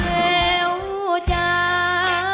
แต่แห้วจ้า